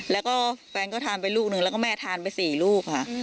แล้วก็แฟนก็ทานไปลูกหนึ่งแล้วก็แม่ทานไป๔ลูกค่ะ